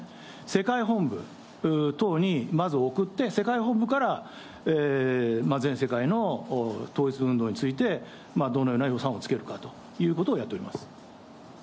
世界本部等にまず送って、世界本部から全世界の統一運動について、どのような予算をつけるかということをやっております。